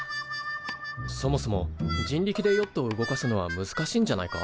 そもそも人力でヨットを動かすのは難しいんじゃないか？